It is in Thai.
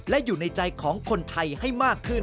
และอยู่ในใจของคนไทยให้มากขึ้น